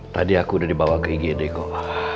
tadi aku udah dibawa ke igd kok